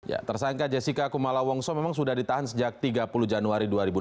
ya tersangka jessica kumala wongso memang sudah ditahan sejak tiga puluh januari dua ribu enam belas